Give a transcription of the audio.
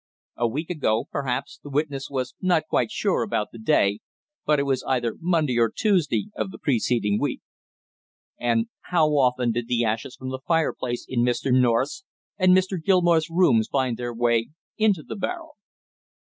A week ago, perhaps, the witness was not quite sure about the day, but it was either Monday or Tuesday of the preceding week. And how often did the ashes from the fireplaces in Mr. North's and Mr. Gilmore's rooms find their way into the barrel?